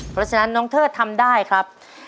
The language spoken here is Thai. เพราะฉะนั้นน้องเทิดทำได้ครับ